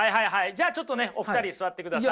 じゃあちょっとねお二人座ってください。